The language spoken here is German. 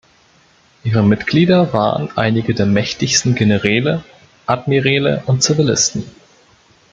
Ihre Mitglieder waren einige der mächtigsten Generäle, Admiräle und Zivilisten.